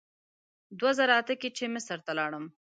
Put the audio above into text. دوه زره اته کې چې مصر ته لاړم.